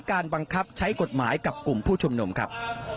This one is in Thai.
บังคับใช้กฎหมายกับกลุ่มผู้ชุมนุมครับ